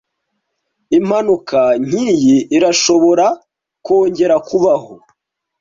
Impanuka nkiyi irashobora kongera kubaho.